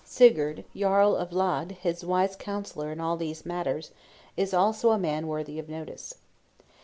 Sigurd, Jarl of Lade, his wise counsellor in all these matters, is also a man worthy of notice.